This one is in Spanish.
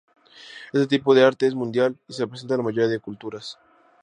Este tipo de arte es mundial y se presenta en la mayoría de culturas.